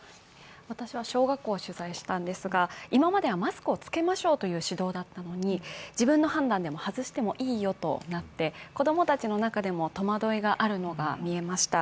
私は小学校を取材したんですが今まではマスクを着けましょうという指導だったのに、自分の判断で外してもいいよとなって、子供たちの中でも戸惑いがあるのが見えました。